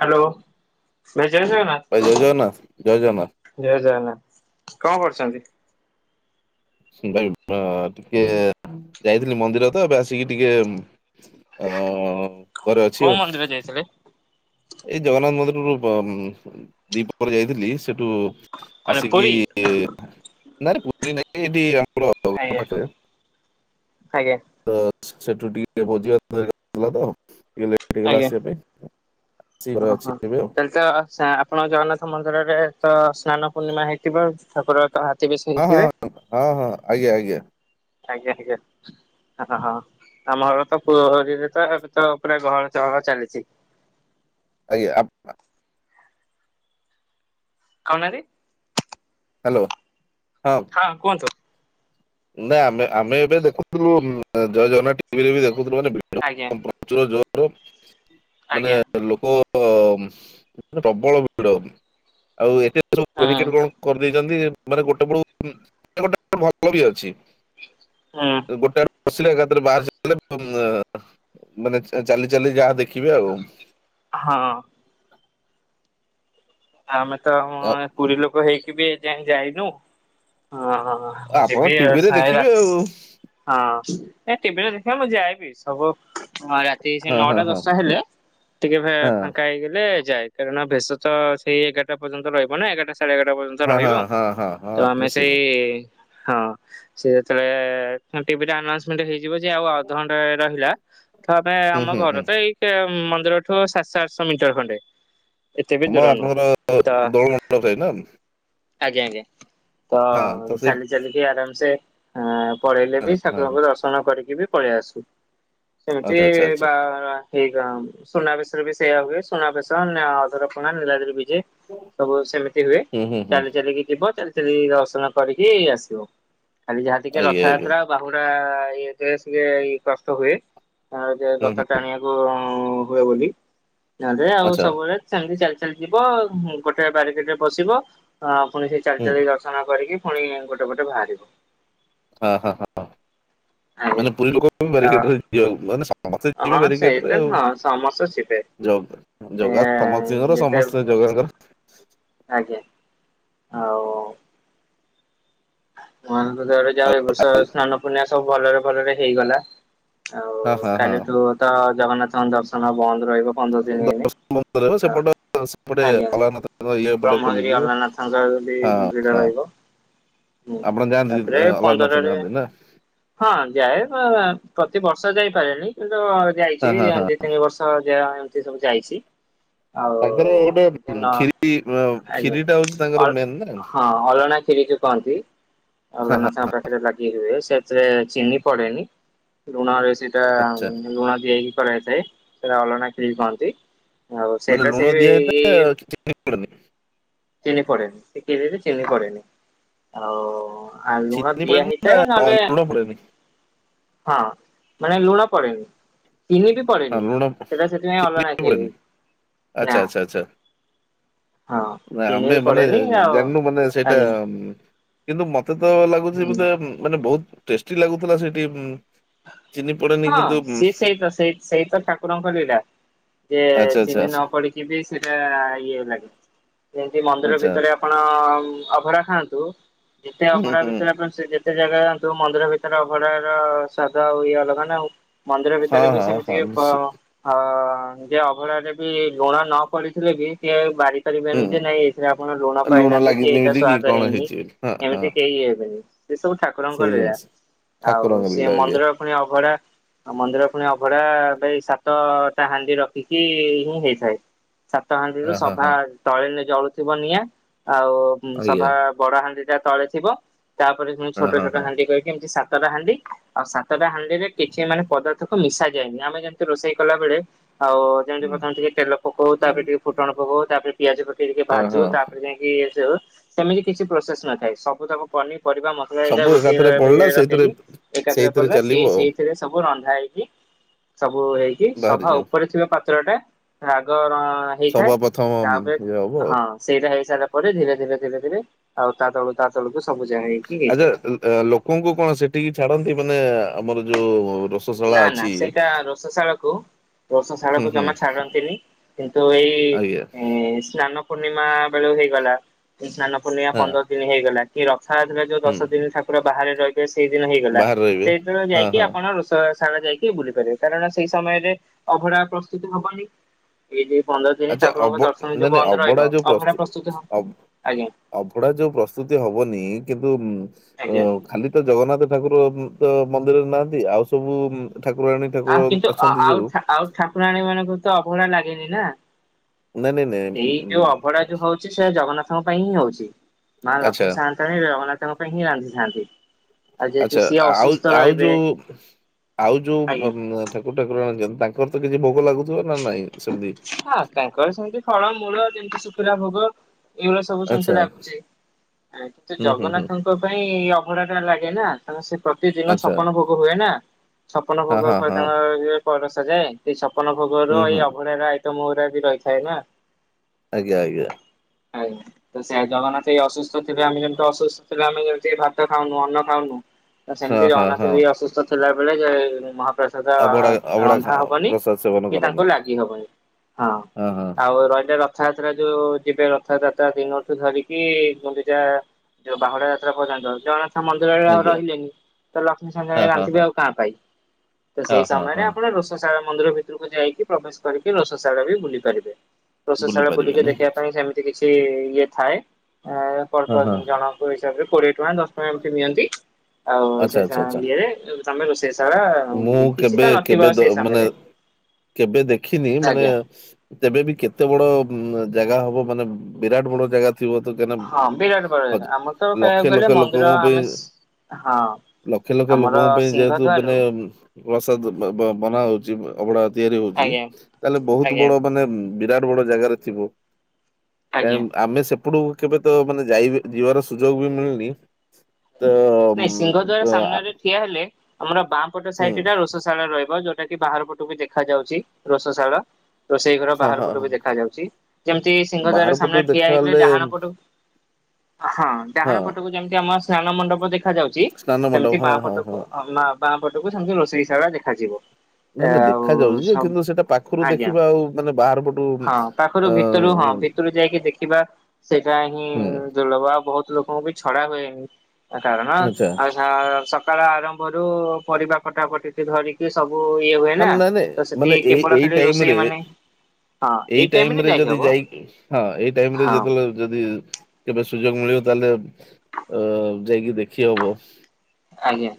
Hello ଭାଇ ଜୟ ଜଗନ୍ନାଥ। ଭାଇ ଜୟ ଜଗନ୍ନାଥ ଜୟ ଜଗନ୍ନାଥ। ଜୟ ଜଗନ୍ନାଥ କଅଁ କରୁଚ଼ନ୍ତି? ଟିକେ ଯାଇଥିଲି ମନ୍ଦିର ତ, ଏବେ ଆସିକି ଟିକେ ଓ କୋଉ ମନ୍ଦିରରେ ଯାଇଥିଲେ? ଏଇ ଜଗନ୍ନାଥ ମନ୍ଦିର ଦିପହରେ ଯାଇଥିଲି, ସେଠୁ ମାନେ ଆସିକି, ପୁରୀ? ନାରେ ବୁଲି ନାଇ ଏମତି। [unintelligible] ଆଜ୍ଞା। ପାଖରେ। ଆଜ୍ଞା ତ ସେଠୁ ଟିକେ ଭୋଜିିଭାତ ହେଇ ଯାଇଥିଲା ତ, ଟିକେ ଲେଟ ହେଇଗଲା ଆଜ୍ଞା ଆସିବା ପାଇଁ। ଆସିକି ଘରେ ହଁ ଅଛି ହଁ। ଏବେ ଆଉ ତ ଆପଣ ଜଗନ୍ନାଥ ମନ୍ଦିରରେ ତ ସ୍ନାନ ପୂର୍ଣ୍ଣିମା ହେଇଥିବ, ଠାକୁର ତ ବେଶ ହଁ ହେଇଥିବେ ହଁ ହଁ ହଁ ଆଜ୍ଞା ଆଜ୍ଞା। ଆଜ୍ଞା ଆଜ୍ଞା। ହ ହଁ ଆମ ଘର ତ ପୁରୀରେ ତ ଏବେ ତ ପୁରା ଗହଳ ଚହଳ ଚାଲିଛି। ଆଜ୍ଞା ଆ ଖାଉ ନାହାନ୍ତି? ହାଲୋ ହଁ। ହଁ କୁହନ୍ତୁ? ନାଇଁ ଆମେ, ଆମେ ଏବେ ଦେଖୁଥିଲୁ ଜୟ ଜଗନ୍ନାଥ ଟିଭିରେ ବି ଦେଖୁଥିଲୁ, ମାନେ ଭିଡ଼ ଆଜ୍ଞା ପ୍ରଚୁର ଜୋରେ। ଆ, ମାନେ ଆଜ୍ଞା ଲୋକ ହ ପ୍ରବଳ ଭିଡ, ଆଉ ଏବେ ସବୁ [unintelligible] ହୁଁ କଣ? କରିଦେଇଛନ୍ତି ମାନେ ଗୋଟେ ପଳୁ ଗୋଟେ ଭଲ ବି ଅଛି। ହଁ ଅଁ। ଗୋଟେଆଡୁ ପସିଲେ, ଏକାଥରେ ବାହାରି ସାଇଲେ ପୁଣି ମାନେ ଚାଲି ଚାଲି ଯାହା ଦେଖିବେ ଆଉ। ହଁ ଅଁ। ଆମେ ତମ ଆ- ପୁରୀ ଲୋକ ହେଇକି ବି ଯାଇ ଯାଇନୁ, ହଁ ହଁ। ଓ ଆପଣ ଯିବି ଆଉ, ଟିଭିରେ ଦେଖିବେ ଆଉ [unintelligible] ହଁ, ଏ ଟିଭିରେ ଦେଖିବା ମୁଁ ଯାଏବି, ସବୁ ସେ ହଁ ହଁ ନଅଟା ଦଶଟା ହଁ ହେଲେ, ଟିକେ ଫାଙ୍କା ହେଇଗଲେ ଯାଏ, କାରଣ ବେଶତ ସେଇ ଏଗାରଟା ପର୍ଯ୍ୟନ୍ତ ରହିବ ନା, ଏଗାରଟା ସାଢେ ଏଗାରଟା ପର୍ଯ୍ୟନ୍ତ ହଁ ହଁ ହଁ ରହିବ, ହଁ ହଁ ତ ହଁ ଆମେ ନିଶ୍ଚିତ ସେଇ ହଁ ସେ ଯେତେବେଳେ ଟିଭି ଆଉନ୍ସମେଣ୍ଟ ହେଇଯିବ ଯେ, ଆଉ ଅଧଘଣ୍ଟା ରହିଲା, ତ ଆମେ ହୁଁ ଆମ ହୁଁ ହୁଁ ଘର ତ ଏଇ ମନ୍ଦିରଠୁ ସାତଶହ ଆଠଶହ ମିଟର ଖଣ୍ଡେ, ଏତେ ବି ଆମ ଦୂର ନୁହଁ। ତ [unintelligible] ଆଜ୍ଞା ଆଜ୍ଞା, ତ ହଁ ତ ସେଇ ଚାଲି ଚାଲିକି ଆରାମସେ ପଳେଇଲେ ବି, ହଁ ହଁ ଠାକୁରଙ୍କୁ ଦର୍ଶନ କରିକି ବି ପଳେଇ ଆସୁ। ସେମିତି ଆଚ୍ଛା ଆଚ୍ଛା ଆଚ୍ଛା ବା ହେଇ ସୁନାବେେଶରେ ବି ସେୟଆ ହୁଏ, ସୁନାବେଶ, ଅଧରପଣା, ନୀଳାଦ୍ରୀବିଜେ। ସବୁ ସେମିତି ହୁଏ, ହୁଁ ହୁଁ ହୁଁ ଚାଲି ଚାଲିକି ଯିବ, ଚାଲି ଚାଲି ଦର୍ଶନ କରିକି ଆସିବ, ଖାଲି ଯାହା ଟିକେ ଆଜ୍ଞା ଆଜ୍ଞା ରଥଯାତ୍ରା ବାହୁଡା ଇଏ [unintelligible] କଷ୍ଟ ହୁଏ। ତାଙ୍କର ହୁଁ ହୁଁ ରଥା ଟାଣିବାକୁ ହୁଏ ବୋଲି। ନଲେ ଆଉ ଆଚ୍ଛା ସବୁବେଳେ ସେମିତି ଚାଲି ଚାଲି ଯିବ ଗୋଟେ ବାରିକେଡ ରେ ବସିବ। ହଁ ପୁଣି ସେଇ ଚାଲି ହୁଁ ଚାଲି ଦର୍ଶନ କରିକି, ପୁଣି ଗୋଟେ ଗୋଟେ ପଟେ ବାହାରିବ। ହଁ ହଁ ହଁ, ଆଜ୍ଞା ମାନେ ପୁରୀ ଲୋକ ବାରିକେଟ ଯିବାକୁ ମ ସମସ୍ତେ ଅ ଯିବେ ହଁ ବାରିକେଡରେ ସେଇଟା ଆଉ, ହଁ ସମସ୍ତେ ଯିବେ। ସେ ଜଗା ସମସ୍ତଙ୍କର ଯେତେ ସମସ୍ତେ ଜଗାଙ୍କର ଆଜ୍ଞା, ଆଉ [unintelligible] ଯାଉ ଆଉ ଏ ବର୍ଷ ଆଇ- ସ୍ନାନ ପୂର୍ଣ୍ଣିଆ ସବୁ ଭଲରେ ଭଲରେ ହେଇଗଲା। ଆଉ ହଁ ହଁ ହଁ କାଲିଠୁ ତ ଜଗନ୍ନାଥଙ୍କ ଦର୍ଶନ ବନ୍ଦ ରହିବ ପନ୍ଦର ଦିନ ଦିନ ଦର୍ଶନ ବନ୍ଦ ରହିବ ହଁ ସେପଟ ସେପଟେ ଆଜ୍ଞା ଅଲାରନାଥଙ୍କ ଇଏ ପଟେ ବ୍ରହ୍ମଗିରି ଖୋଲିଯିବ ଅଲାରନାଥଙ୍କ ଯଦି ହଁ ଭିଡ ହଁ ରହିବ। ହୁଁ ଆପଣ ଯାନ୍ତି ତାପରେ ଆ୍ନାଥ ପନ୍ଦରରେ ଯାଆନ୍ତି ନା ହଁ ଯାଏ ପ୍ରତି ବର୍ଷ ଯାଇପାରେନି କିନ୍ତୁ ହଁ ହଁ ଯାଇଛି। ହଁ ତିନି ବର୍ଷ ଯହା ଏମିତି ସବୁ ଯାଇଛି। ଆଉ ତାଙ୍କର ଗୋଟେ ଉଁ, ନ କ୍ଷୀରି ଅ, ଆଜ୍ଞା କ୍ଷୀରିଟା ହଉଛି ତାଙ୍କର ଅ ମେନ୍ ନା ହଁ ଅଲଣା ଖିରିକି କହନ୍ତି। ଆଉ ହଁ ଲାନ ହଁ [unintelligible] ପାଖରେ ଲାଗି ହୁଏ ସେଥିରେ ଚିନି ପଡେନି ଋଣ ସେଟା ଆଚ୍ଛା ଲୁଣ ଦିଆକି କରାଇଥାଏ ସେଟା ଅଲଣା ଖଳି କହନ୍ତି। ହଉ ମାନେ ସେଇଟା ଲୁଣ ସେଇ ଦିଆ ହେଇଥାଏ ଏଇ ଚିନି ପଡେନି ଚିନି ପଡେନି ସେ ଖିରି ରେ ଚିନି ପଡେନି। ଆଉ ଲୁଣ ଚିନି ଦିଆ ପଡେନି ନା ହେଇଥାଏ ଅ, ନହେଲେ ଲୁଣ ପଡେନି ହଁ ମାନେ ଲୁଣ ପଡେନି ଚନି ବି ହ ପଡେନି ଲୁଣ ସେଟା ସେଥିପାଇଁ ଚି ଅଲଣା ଖେଳି ପଡେନି ନା ଆଛା ଆଚ୍ଛା ଆଛା। ହଁ ନା ତିନି ଆମେ ବି ମାନେ ପଡେନି ଆଉ ଜାଣିନୁ ମାନେ ସେଇଟା ଆଜ୍ଞା କିନ୍ତୁ ମତେ ତ ଲାଗୁଛି। ହୁଁ ବୋଧେ ମାନେ ବହୁତ ଟେଷ୍ଟି ଲାଗୁଥିଲା ସେଠି। ଚିନି ପଡେନି ହଁ କିନ୍ତୁ ଉଁ, ସିଏ ସେଇତ ସେଇ ସେଇତ ଠାକୁରଙ୍କର ଲିଳା ଯେ ଆଚ୍ଛା ଆଚ୍ଛା ଚିନି ଆଚ୍ଛା ନ ପଡିକି ସେଇଟା ଇଏ ଲାଗେ ଯେମିତି ମନ୍ଦିର ଆଚ୍ଛା ଭିତରେ ଆପଣ ଅଭଢା ଖାଆନ୍ତୁ। ଯେତେ ହୁଁ ଅଭଢା ହୁଁ ଭିତରେ ଆପଣ ସେ ଯେତେ ଜାଗା ଯାଆନ୍ତୁ। ମନ୍ଦିର ଭିତରେ ଅଭଢାର ସୂାଦ ଆଉ ଇଏ ଅଲଗା ନା ଆଉ। ମନ୍ଦିର ହଁ ଭିତରେ ବି ହଁ ସେମିତି ହଁ ନିଶ୍ଚିତ ହଁ ଯେ ଅଭଢାରେ ବି ଲୁଣ ନ ପଡିଥିଲେ ବି ସିଏ ବାରି କରିବେନି ହୁଁ ଯେ ହୁଁ। ନାଇଁ ଏଥିରେ ଆପଣ ଲୁଣ ପାଇନାହାନ୍ତି। କି ଲାଗିନି ଏଇଟା ବୋଲି ସ୍ଵାଦ କଣ ହେଇନି। ହେଇଛି ବୋଲି ହଁ ହଁ ଏମିତି କେହି ହେବେନି। ସେ ସବୁ ଠାକୁରଙ୍କ ସେଇ ଲିଳା। ଜିନିଷ ଆଉ ଠାକୁରଙ୍କ ଲୀଳା ସିଏ ଆଜ୍ଞା ମନ୍ଦିର ପୁଣି ଅଭଢା ଆଉ ମନ୍ଦିର ପୁଣି ଅଭଢା ସାତଟା ହାଣ୍ଡି ରଖିକି ହିଁ ହେଇଥାଏ। ସାତହାଣ୍ଡିରୁୁ ହଁ ହଁ ସଭା ହଁ ତଳେ ଜଳୁଥିବ ନିଆଁ। ଆଉ ଆଜ୍ଞା ସଭା ବଡ ହାଣ୍ଡି ଟା ତଳେ ଥିବ। ତାପରେ ହଁ ଛୋଟ ହଁ ଛୋଟ ହାଣ୍ଡି ହଁ କହିି ଏମତି ସାତଟା ହାଣ୍ଡି। ଆଉ ସାତଟା ହାଣ୍ଡିରେ କିଛି ମାନେ ପଦାର୍ଥକୁ ମିଶା ଯାଏନି। ଆମେ ଯେମିତି ରୋଷେଇ କଲା ବେଳେ ଆଉ ଯେମତି ପ୍ରଥମେ ଟିକେ ତେଲ ପକଉ ତାପରେ ଟିକେ ଫୁଟଣ ପକଉ ତାପରେ ପିଆଜ ପକେଇ ଟିକେ ହଁ ଭାଜୁ ହଁ ତାପରେ ଯାଇକି ସବୁ ସେମିତି କିଛି ପ୍ରୋସେସ ନ ଥାଏ। ସବୁ ତାକୁ ପନିପରିବା ମ ଏ ସବୁ ଗୋଟେ ଏକାଥରେ ପଡିଲା ସେଇଥିରେ ରଖିକି ଏକାଥେର ସେଇଥିରେ କଲେ। ସେ ଚାଲିବ ଆଉ ସେଇଥିରେ ସବୁ ରନ୍ଧା ହେଇକି ସବୁ ହେଇକି ସଭା ବାହାରିଯିବ ଉପରେ ଥିବା ପାତ୍ର ଟା ଆଗ ହେଇଥାଏ। କମ ତାପରେ ଇଏ ହବ। ହଁ ସେଇଟା ହେଇସାରିଲା ପରେ ଧୀରେ ଧୀରେ ଧୀରେ ଧୀରେ ଆଉ ତା ତଳୁ ତା ତଳକୁ ସବୁ ଜାଗ ହେଇକି ହେଇଥାଏ। ଆ ଲୋକଙ୍କୁ କଣ ସେଠିକି ଛାଡନ୍ତି। ମାନେ ଆମର ଯୋଉ ରୋଷଶାଳା ନା ନା ଅଛି ସେଇଟା ରଷେଇ ସାଳକୁ ରୋଷେଇ ହୁଁ, ସାଳକୁ ହୁଁ, ଜମା ଛାଡନ୍ତିନି। କିନ୍ତୁ ଏଇ ଆଜ୍ଞା, ସ୍ନାନ ପୂର୍ଣ୍ଣିମା ବେଳୁ ହେଇଗଲା। ସ୍ନାନ ପୂର୍ଣ୍ଣିମା ହଁ, ପନ୍ଦର ଦିନ ହେଇଗଲା। କି ରଥାଯାତ୍ରାରେ ଯୋଉ ହୁଁ, ଦଶ ଦିନ ଠାକୁର ବାହାରେ ରହିବେ ସେଇଦିନ ହେଇଗଲା। ବାହାରେ ରହିବେ? ସେଇଦିନ ହଁ, ଯାଇକି ହଁ, ଆପଣ ସାରା ଯାଇକି ବୁଲି ପାରିବେ। କାରଣ ସେଇ ସମୟରେ ଅଭଢା ପ୍ରସ୍ତୁତ ହବନି। ଏଇ ଯୋ ପନ୍ଦର ଦିନ ଆଚ୍ଛା ଅବ ଠାକୁରଙ୍କ ଦର୍ଶନ ଯୋଉ ନାଇଁ ନାଇଁ ବନ୍ଦ ଅବଢ଼ା ରହିବ। ଅଭଢା ପ୍ରସ୍ତୁତ ହବ। ଆଜ୍ଞା ଅଭଢା ଯୋଉ ପ୍ରସ୍ତୁତି ହବନି। କିନ୍ତୁ ଆଜ୍ଞା ଖାଲି ତ ଜଗନ୍ନାଥ ଠାକୁର ତ ମନ୍ଦିରରେ ନାହାନ୍ତି। ଆଉ ସବୁ ଠାକୁରାଣୀ ଆଉ ଠାକୁର କିନ୍ତୁ ଅଛନ୍ତି। ଆଉ ଯେଉଁ ଆଉ ଠାକୁରାଣୀ ମାନଙ୍କୁ ତ ଅଭଢା ଲାଗେନି ନା। ନାଇ ନାଇ ଏଇ ଯୋଉ ଅଭଢା ଯୋଉ ହଉଛି। ସେ ଜଗନ୍ନାଥଙ୍କ ପାଇଁ ହିଁ ହଉଛି। ମା ଆଚ୍ଛା ଲକ୍ଷ୍ମୀ ସାଆନ୍ତେ ଜଗନ୍ନାଥଙ୍କ ପାଇଁ ହିଁ ରାନ୍ଧିଥାନ୍ତି। ଆଉ ଯେହେତୁ ଆଛା। ସିଏ ଆଉ ଅସୁସ୍ଥ ଆଉ ରହିବେ ଯୋଉ ଆଉ ଆଜ୍ଞା ଯୋଉ ଠାକୁର ଠାକୁରାଣୀ ଅଛନ୍ତି। ତାଙ୍କର ତ କିଛି ଭୋଗ ଲାଗୁଥିବ ନା ନାଇଁ ସେମିତି। ହଁ ତାଙ୍କର ସେମିତି ଫଳ ମୂଳ ଯେମିତି ଶୁଖିଲା ଭୋଗ ଏଇଭଳିଆ ସବୁ ଆଚ୍ଛା। ସେମିତି ଲାଗୁଛି। କିନ୍ତୁ ହୁଁ ହୁଁ ହୁଁ ଜଗନ୍ନାଥଙ୍କ ପାଇଁ ଅଭଡ଼ା ଟା ଲାଗେ ନା। କାରଣ ସେ ପ୍ରତିଦିନ ଆଚ୍ଛା ଛପନ ଭୋଗ ହୁଏ ନା। ଛପନ ହଁ ଭୋଗ ହଁ ହଁ ତାଙ୍କ ଇଏ ପରଶା ଯାଏ ଏଇ ଛପନ ହୁଁ ଭୋଗର ଏଇ ହୁଁ ଅଭଡ଼ା ର ଆଇଟମ୍ ଗୁରା ବି ରହିଥାଏ ନା। ଆଜ୍ଞା। ଆଜ୍ଞା। ଆଗ ସେ ଜଗନ୍ନାଥ ଏ ଅସୁସ୍ଥ ଥିବେ ଆମେ ଯେମିତି ଅସୁସ୍ଥ ଥିଲେ ଆମେ ଯେମିତି ଭାତ ଖାଉନୁ। ଅନ୍ନ ଖାଉନୁ। ନା ହଁ ସେମିତି ହଁ ଜଗନ୍ନାଥ ହଁ ବି ଅସୁସ୍ଥ ଥିଲା। ବେଳେ ଯେ ମହା ପ୍ରସାଦ ଅବଡା ଅବଡା ରନ୍ଧା ହବନି। ପ୍ରସାଦ ସେବନ କି ତାଙ୍କୁ କରନ୍ତି ଲାଗ ଗି ହବନି। ହଁ ଆଉ ରହିଲେ ର ଥଯାତ୍ରା ଯୋଉ ଯିବେ। ରଥଯାତ୍ରା ଦିନଠୁ ଧରିକି ଗୁଣ୍ଡିଚା ଯୋଉ ବାହୁଡ଼ା ଯାତ୍ରା ପର୍ଯ୍ୟନ୍ତ। ଯଣ ମନ୍ଦିରରେ ଆଉ ଆଜ୍ଞା। ରହିଲେନି। ତ ଲକ୍ଷ୍ମୀ ହଁ ସାଆନ୍ତାଣୀ ହଁ ହଁ ରାନ୍ଧିବେ ଆଉ କାହା ପାଇଁ? ତ ହଁ ସେଇ ହଁ ସମୟରେ ହଁ ଆପଣ ରୋଷ ସାଳା ମନ୍ଦିର ଭିତରକୁ ଯାଇକି ପ୍ରବେଶ କରିକି ରୋସସାଳା ବି ବୁଲି ପାରିବେ। ବୁଲି ରୋଷସାଳା ବୁଲିକି ପାରିବେନି ଦେଖିବା ପାଇଁ ସେମି ତି କିଛି ଇଏ ଥାଏ ଆ ପର ହଁ ହଁ ପର୍ସନ ଜଣକ ହିସାବରେ କୋଡ଼ିଏ ଟଙ୍କା ଦଶ ଟଙ୍କା ଏମିତି ନିଅନ୍ତି। ଆଉ ଆଚ୍ଛା ସେ ଆଚ୍ଛା ସ ଆଚ୍ଛା। ଇଏରେ ତମେ ରୋଷେଇସାଳା ମୁଁ ବୁଲି କିଛି କେବେ ତ କେବେ ନଥିବ ଦ- ସେଇ ମାନେ ସମୟରେ। କେବେ ଦେଖିନି ମାନେ ଆଜ୍ଞା ତେବେ ବି କେତେ ବଡ଼ ଉଁ ଜାଗା ହବ ମାନେ ବିରାଟ ବଡ଼ ଜାଗା ଥିବ ତ [unintelligible] ହଁ ବିରାଟ ବଡ଼ ଜାଗା ଆମର ତ ଲକ୍ଷ କହିବାକୁ ଗଲେ ଲକ୍ଷ ମନ୍ଦିର ଲୋକଙ୍କ ପାଇଁ ଆମେ ସ ହଁ। ଲକ୍ଷ ଲକ୍ଷ ଆମର ଲୋକଙ୍କ ପାଇଁ ଯେହେତୁ ମାନେ ସିଂହଦ୍ୱାରୁ ପ୍ରସାଦ ବ ବ ବନା ହଉଛି ଅ ଅଭଡ଼ା ତିଆରି ହଉଛି ଆଜ୍ଞା ତାହେଲେ ବହୁତ ଆଜ୍ଞା ବଡ଼ ମାନେ ବିରାଟ ବଡ଼ ଜାଗାରେ ଥିବ। ଆଜ୍ଞା। ଏମ ଆମେ ସେପଟକୁ କେବେ ତ ମାନେ ଯାଇବି ଯିବାର ସୁଯୋଗ ବି ମିଳୁନି। ନାଇଁ ସିଂହଦ୍ଵାର ସାମ୍ନାରେ ଠିଆ ହେଲେ ଆମର ବାଁପଟ ହୁଁ ସାଇଟ୍ ଟା ରୋଷ ଶାଳରେ ରହିବ ଯୋଉଟା କିି ବାହାର ପଟକୁ ଦେଖାଯାଉଛି ରୋସଶାଳ। ରୋଷେଇ ଘର ହଁ ବାହାର ହଁ ପଟୁ ହଁ ବି ଦେଖାଯାଉଛି ଯେମିତି ବାହାର ସିଂହଦ୍ୱାର ପଟୁ ସାମ୍ନାରେ ଠିଆ ହେଇଗଲେ ଦେଖାହେଲେ ଡାହାଣ ପଟୁ ହଁ ହଁ ଡାହାଣ ପଟକୁ ଯେମତି ଆମ ସ୍ନାନ ମଣ୍ଡପ ଦେଖା ଯାଉଛି ସ୍ନାନ ମଣ୍ଡପ ସେମିତି ହଁ ବାଁ ହଁ ପଟକୁ ହଁ ନାଁ ବାଁ ପଟକୁ ସେମିତି ରୋଷେଇସାଳା ଦେଖାଯିବ। ନା ନା ଆଉ ଦେଖା ଯାଉଛି ଯେ ସବ କିନ୍ତୁ ସେଟା ପାଖରୁ ଆଜ୍ଞା ଦେଖିବା ଆଉ ମାନେ ବାହାର ପଟୁ ହଁ ପାଖରୁ ଅ ଭିତରୁ ହଁ ଭିତ ତୁରୁ ଯାଇକି ଦେଖିବା ସେଇଟା ହିଁ ହୁଁ ଦୁର୍ଲଭ ଆଉ ବହୁତ ଲୋକଙ୍କୁ ବି ଛଡ଼ା ହୁଏନି ଆ କାରଣ ଆଚ୍ଛା ଆଉ ସ ଆ ସକାଳ ଆରମ୍ଭରୁ ପରିବା କଟା କଟି ଏ ଧରିକି ସବୁ ଇଏ ହୁଏ ହଁ ନା ନାଇଁ ନାଇଁ ତ ସେଠି ମାନେ ଏଇ କେବଳ ଏଇ ଖାଲି ଟାଇମ ରୋଷେଇଆ ରେ ମାନେ ଏଇ ଟାଇମ ରେ ଯଦି ଯାଇକି ହଁ ଏଇ ଟାଇମ ରେ ହଁ ଯେତେବେଳେ ଯଦି କେବେ ସୁଯୋଗ ମିଳିବ ତାହେଲେ ଆ ଯାଇକି ଦେଖି ହବ। ଆଜ୍ଞା।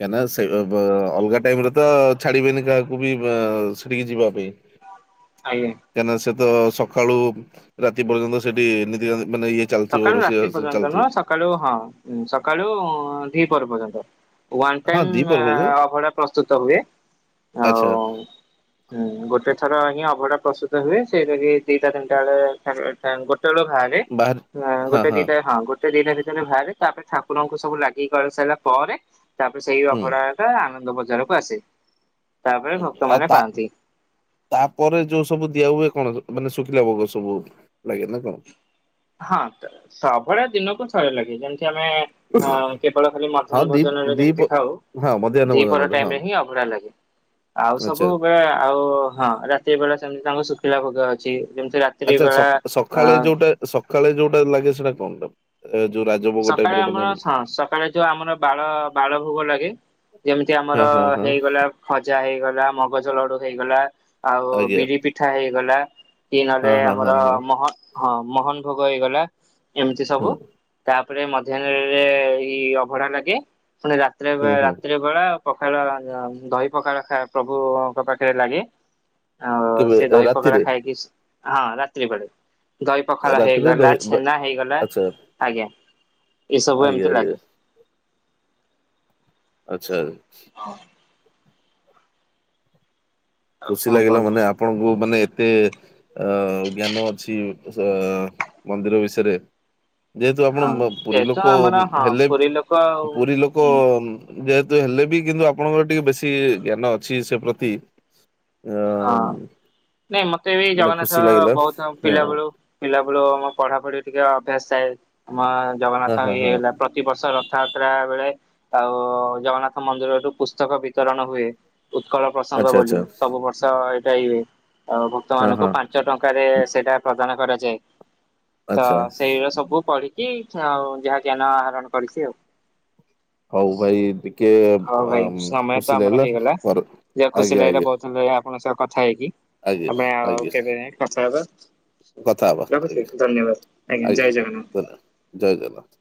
କାଇଁ ନାଁ ସେ ଅ ବ ଅଲଗା ଟାଇମରେ ତ ଛାଡ଼ିବେନି କାହାକୁ ବି ଅ ସେଠିକି ଯିବା ପାଇଁ। ଆଜ୍ଞା। କାଇଁ ନା ସେ ତ ସଖାଳୁ ରାତି ପର୍ଯ୍ୟନ୍ତ ସେଠି ନିତି ମାନେ ଇଏ ଚାଲିଥିବ ସକାଳୁ ରାତି ରୋଷେଇ ପର୍ଯ୍ୟନ୍ତ ଚାଲିଥିବ ନୁହଁ ସକାଳୁ ହଁ ଉଁ ସକାଳୁ ଦି ପହର ପର୍ଯ୍ୟନ୍ତ। ୱାନ ହଁ ଟାଇମ୍ ଆ ଦିପହର ପର୍ଯ୍ୟନ୍ତ ଅଭଡ଼ା ପ୍ରସ୍ତୁତ ହୁଏ ଆଚ୍ଛା ଆଉ ହୁଁ ଗୋଟେ ଥର ହିଁ ଅଭଡ଼ା ପ୍ରସ୍ତୁତ ହୁଏ ସେଇଟା କି ଦିଟା ତିନିଟା ବେଳେ ଖାନ ଗୋଟେ ବେଳୁ ଖାନ୍ତି। ବାହାରେ ହଁ ଗୋଟେ ଦିଟା ହଁ ଗୋଟେ ଦିଟା ଭିତରେ ବାହାରେ ତାପରେ ଠାକୁରଙ୍କୁ ସବୁ ଲାଗି କରି ସାରିଲା ପରେ ତାପରେ ସେଇ ହୁଁ ଅଭଡ଼ା ଏକା ଆନନ୍ଦ ବଜାରକୁ ଆସେ। ତାପରେ ଉଁ ଆଉ ଭକ୍ତମାନେ ତା ପାଆନ୍ତି। ତାପରେ ଯୋଉ ସବୁ ଦିଆ ହୁଏ କଣ ମାନେ ଶୁଖିଲା ଭୋଗ ସବୁ ଲାଗେ ନା କଣ? ହଁ ସବୁଭଳିଆ ଦିନକୁ ଥରେ ଲାଗେ ଯେମିତି ଆମେ ହ କେବଳ ଖାଲି ହଁ ମଧ୍ୟାହ୍ନ ଦି ଭୋଜନରେ ଦି ଯେମିତି ଖାଉ ହଁ ମଧ୍ୟାହ୍ନ ଦିପହର ଭୋଜନରେ ଟାଇମ ହଁ ରେ ହିଁ ଅଭଡ଼ା ଲାଗେ। ଆଉ ଆଚ୍ଛା ସବୁବେ ଆଉ ହଁ ରାତି ବେଳେ ସେମିତି ତାଙ୍କ ଶୁଖିଲା ଭୋଗ ଅଛି ଯେମିତି ରା ଆଚ୍ଛା ସ ସଖାଳେ ଯୋଉଟା ସଖାଳେ ଯୋଉଟା ଲାଗେ ସେଟା କଣଟା ଏ ଯୋଉ ରାଜ ସକାଳେ ଆମର ହଁ ସକାଳେ ଯୋଉ ଆମର ବାଳ ବାଳ ଭୋଗ ଲାଗେ। ଯେମିତି ଆମର ହଁ ହଁ ହଁ ହେଇଗଲା ଖଜା ହେଇଗଲା ମଗଜ ଲଡୁ ହେଇଗଲା ଆଉ ଆଜ୍ଞା ବିରି ପିଠା ହେଇଗଲା। କି ନହେଲେ ହଁ ହଁ ହଁ ଆମର ହଁ ମହ ହଁ ମହନ ଭୋଗ ହେଇଗଲା ଏମିତି ହୁଁ ସବୁ। ତାପରେ ମଧ୍ୟାହ୍ନରେ ଏଇ ଅଭଢା ଲାଗେ ପୁଣି ରାତିରେ ଏ ହୁଁ ହୁଁ ରାତିରେ ଅଭଡ଼ା ପଖାଳ ଉଁ ଦହି ପଖାଳ ଖା ପ୍ରଭୁଙ୍କ ପାଖରେ ଲାଗେ। ଆଉ କେବେ ସେ ଏ ଦହି ପଖାଳ ରାତିରେ ଖାଇକି ସ ହଁ ରାତ୍ରି ବେଳେ। ଦହି ପଖାଳ ରାତିରେ ହେଇଗଲା ଦହି ଦ ଛେନା ହେଇଗଲା ଆଚ୍ଛା ଆଜ୍ଞା ଏସବୁ ଆଜ୍ଞା ଏମିତି ଆଜ୍ଞା ଲାଗେ। ଆଚ୍ଛା। ହଁ। ଆଉ ଖୁସି କଣ ଲାଗିଲା କୁହନ୍ତୁ। ମାନେ ଆପଣଙ୍କୁ ମାନେ ଏତେ ଅ ଜ୍ଞାନ ଅଛି। ସା ମନ୍ଦିର ବିଷୟରେ। ଯେହେତୁ ହଁ ଆପଣ ପୁରୀ ଯେହେତୁ ଲୋକ ଆମର ହଁ ହେଲେ ପୁରୀ ଲୋକ ଆଉ ପୁରୀ ଲୋକ ହୁଁ ଯେହେତୁ ହେଲେ ବି କିନ୍ତୁ ଆପଣଙ୍କର ଟିକେ ବେଶୀ ଜ୍ଞାନ ଅଛି ସେ ପ୍ରତି। ଅ ହଁ ନାଇଁ ମତେ ବି ମାନେ ଖୁସି ଜଗନ୍ନାଥ ଲାଗିଲା ବହୁତ ହଁ ପିଲା ବୁଳୁ ପିଲା ବେଳୁ ମ ପଢାପଢି ଟିକେ ଅଭ୍ୟାସ ଥାଏ, ମା ହଁ ଜଗନ୍ନାଥ ହଁ ଇଏ ହଁ ହେଲା ପ୍ରତିବର୍ଷ ରଥଯାତ୍ରା ବେଳେ ଆଉ ଜଗନ୍ନାଥ ମନ୍ଦିର ରୁ ପୁସ୍ତକ ବିତରଣ ହୁଏ। ଉତ୍କଳ ପ୍ରସଙ୍ଗ ଆଚ୍ଛା ବୋଲି ଆଚ୍ଛା ସବୁ ବର୍ଷ ଏଇଟା ହି ହୁଏ। ଆଉ ଭକ୍ତ ହଁ ମାନଙ୍କୁ ହଁ ପାଞ୍ଚ ଟଙ୍କାରେ ସେଟା ପ୍ରଦାନ କରାଯାଏ। ତ ଆଚ୍ଛା ସେଇ ର ସବୁ ପଢିକି ଆଉ ଯାହା ଜ୍ଞାନ ଆହରଣ କରିଛି ଆଉ। ହଉ ଭାଇ ଟିକେ ହଉ ଖୁସି ଲାଗିଲା ପର ଅଧିକା ଖୁସି ଲାଗିଲା ବହୁତ [unintelligible] ଆପଣଙ୍କ ସହ କଥା ହେଇକି ଆଜ୍ଞା ଆମେ ଆଉ ଆଜ୍ଞା କେବେ କଥା ହବା। କଥା ହବା ରଖୁଛି ଆଜ୍ଞା ଧନ୍ୟବାଦ ଆଜ୍ଞା, ଜୟ ଜଗନ୍ନାଥ। ଜୟ ଜଗନ୍ନାଥ।